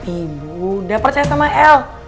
ibu udah percaya sama el